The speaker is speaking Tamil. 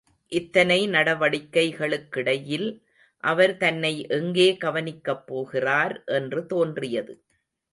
இத்தனை நடவடிக்கைகளுக்கிடையில் அவர் தன்னை எங்கே கவனிக்கப் போகிறார் என்று தோன்றியது.